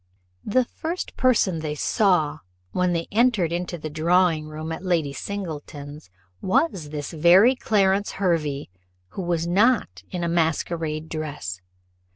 The first person they saw, when they went into the drawing room at Lady Singleton's, was this very Clarence Hervey, who was not in a masquerade dress.